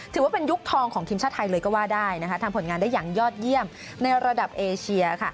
ถือว่าเป็นยุคทองของทีมชาติไทยเลยก็ว่าได้ทำผลงานได้อย่างยอดเยี่ยมในระดับเอเชีย